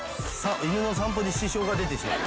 犬の散歩に支障が出てしまう。